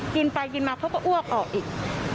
กินไปกินมาเขาก็อ้วกออกอีก